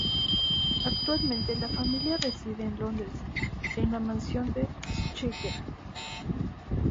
Actualmente la familia reside en Londres, en la mansión de Schiffer.